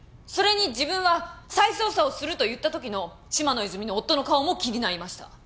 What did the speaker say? それに自分は再捜査をすると言った時の嶋野泉水の夫の顔も気になりました。